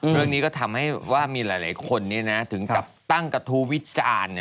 เรื่องนี้ก็ทำให้ว่ามีหลายคนถึงกับตั้งกระทู้วิจารณ์